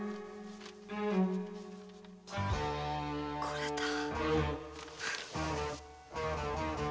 これだ！